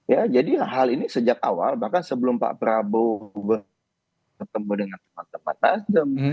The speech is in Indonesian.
ya jadi hal ini sejak awal bahkan sebelum pak prabowo bertemu dengan teman teman nasdem